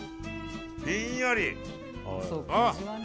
ひんやり。